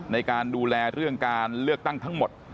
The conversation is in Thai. ในการดูแลเรื่องการเลือกตั้งทั้งหมด